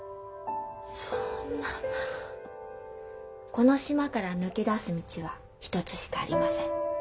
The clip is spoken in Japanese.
「『この島から抜け出す道は一つしかありません。